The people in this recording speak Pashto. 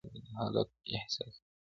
• هر څوک ځان په بل حالت کي احساسوي ګډ..